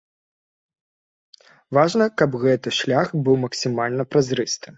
Важна, каб гэты шлях быў максімальны празрысты.